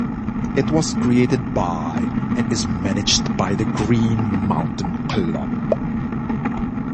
It was created by and is managed by the Green Mountain Club.